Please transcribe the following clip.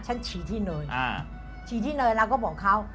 ฉันฉีกทิ้งเลยแล้วก็บอกเขา